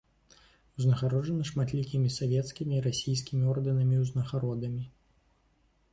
Узнагароджаны шматлікімі савецкімі і расійскімі ордэнамі і ўзнагародамі.